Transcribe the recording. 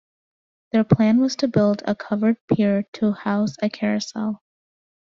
Their plan was to build a covered pier to house a carousel.